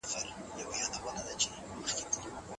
کېدای سي زده کړه ستونزي ولري.